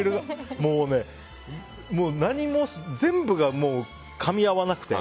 もうね、何も全部がかみ合わなくて。